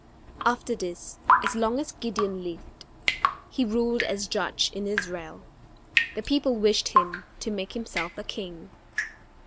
After this, as long as Gideon lived, he ruled as Judge in Israel. The people wished him to make himself a king.